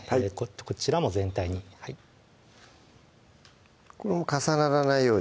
こちらも全体にこれも重ならないように？